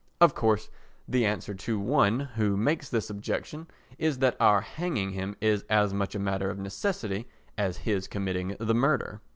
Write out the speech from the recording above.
Of course the answer to one who makes this objection is that our hanging him is as much a matter of necessity as his committing the murder.